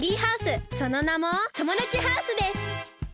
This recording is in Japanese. そのなもともだちハウスです。